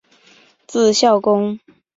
字孝公。